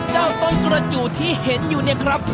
เจ้าต้นกระจู่ที่เห็นอยู่เนี่ยครับ